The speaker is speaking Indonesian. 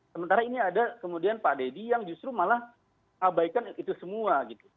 sementara ini ada kemudian pak deddy yang justru malah abaikan itu semua gitu